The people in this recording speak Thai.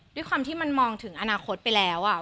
ด้วยความที่มันมองถึงอนาคตไปแล้ว